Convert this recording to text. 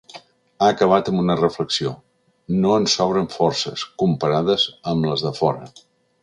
Ha acabat amb una reflexió: No ens sobren forces, comparades amb les de fora.